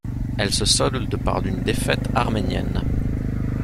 Elle se solde par une défaite arménienne.